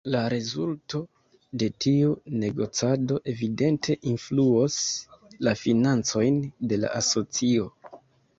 La rezulto de tiu negocado evidente influos la financojn de la asocio.